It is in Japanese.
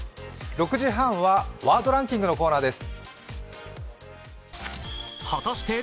６時半はワードランキングのコーナーです。